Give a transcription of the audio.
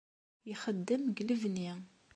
Ixeddem deg lebni.